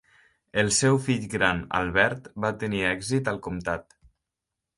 El seu fill gran Albert va tenir èxit al comtat.